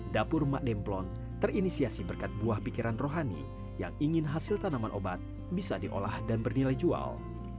dapur mak demplon terinisiasi berkat buah pikiran rohani yang ingin hasil tanaman obat bisa diolah dan bernilai jual